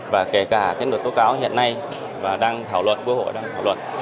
và kể cả cái luật tố cáo hiện nay và đang thảo luận với hội đang thảo luận